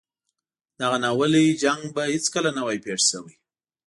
دغه ناولی جنګ به هیڅکله نه وای پېښ شوی.